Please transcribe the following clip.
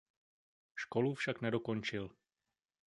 Školu však nedokončil.